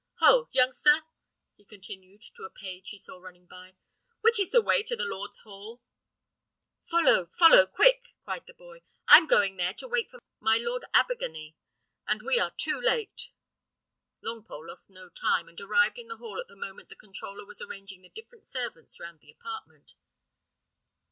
Ho! youngster," he continued to a page he saw running by, "which is the way to the lord's hall?" "Follow, follow, quick!" cried the boy; "I'm going there to wait for my Lord Abergany, and we are too late." Longpole lost no time, and arrived in the hall at the moment the controller was arranging the different servants round the apartment.